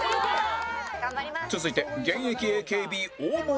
続いて現役 ＡＫＢ 大盛だが